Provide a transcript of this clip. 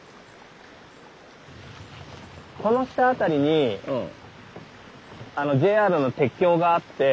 この下辺りにＪＲの鉄橋があって。